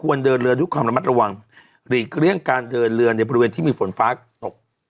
เดินเรือด้วยความระมัดระวังหลีกเลี่ยงการเดินเรือในบริเวณที่มีฝนฟ้าตก